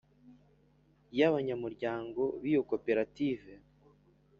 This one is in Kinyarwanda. y abanyamuryango b iyo Koperative